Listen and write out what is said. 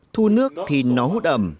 thu nước thì nó hút ẩm